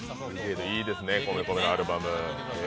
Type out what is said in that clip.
いいですね、米米のアルバム。